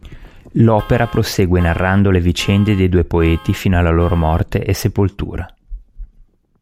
L'opera prosegue narrando le vicende dei due poeti fino alla loro morte e sepoltura.